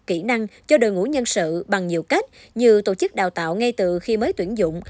kỹ năng cho đời ngũ nhân sự bằng nhiều cách như tổ chức đào tạo ngay từ khi mới tuyển dụng